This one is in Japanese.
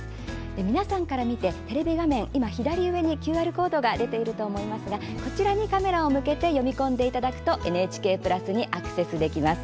皆さんから見てテレビ画面の今、左上にＱＲコードが出ていると思いますがこちらにカメラを向けて読み込んでいただくとＮＨＫプラスにアクセスできます。